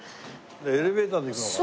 エレベーターで行くのかな？